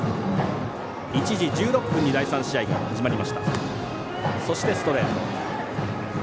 １時１６分に第３試合が始まりました。